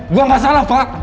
gue gak salah pak